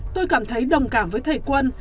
tôi cảm thấy đồng cảm với thầy quân